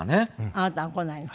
あなたが来ないの？